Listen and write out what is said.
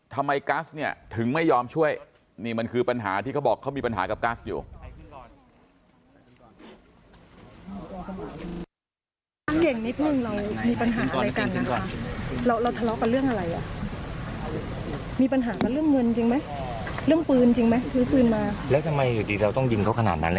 กัสเนี่ยถึงไม่ยอมช่วยนี่มันคือปัญหาที่เขาบอกเขามีปัญหากับกัสอยู่